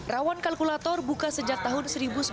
rawan kalkulator buka sejak tahun